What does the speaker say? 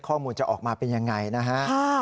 ข้อมูลจะออกมาเป็นยังไงนะฮะ